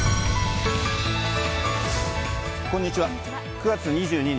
９月２２日